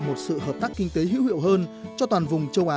một sự hợp tác kinh tế hữu hiệu hơn cho toàn vùng châu á